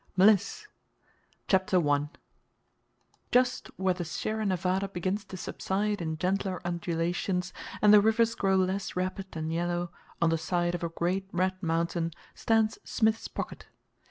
MLISS CHAPTER I Just where the Sierra Nevada begins to subside in gentler undulations, and the rivers grow less rapid and yellow, on the side of a great red mountain, stands "Smith's Pocket."